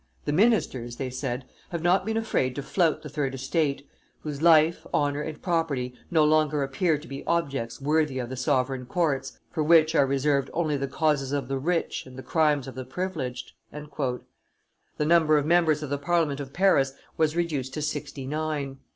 "The ministers," they said, "have not been afraid to flout the third estate, whose life, honor, and property no longer appear to be objects worthy of the sovereign courts, for which are reserved only the causes of the rich and the crimes of the privileged." The number of members of the Parliament of Paris was reduced to sixty nine.